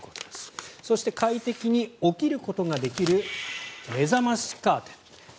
そして快適に起きることができるめざましカーテン